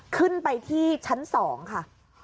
ขึ้นไปที่ชั้น๒ค่ะ